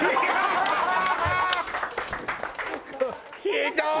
ひどい！